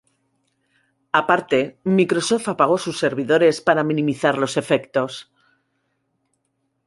Aparte, Microsoft apagó sus servidores para minimizar los efectos.